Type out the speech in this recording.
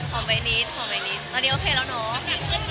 อมใบนิดหอมใบนี้ตอนนี้โอเคแล้วเนาะ